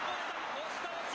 押し倒し。